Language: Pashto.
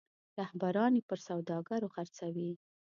رهبران یې پر سوداګرو خرڅوي.